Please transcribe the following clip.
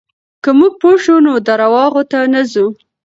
که موږ پوه شو، نو درواغو ته نه ځو.